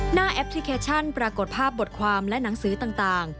แอปพลิเคชันปรากฏภาพบทความและหนังสือต่าง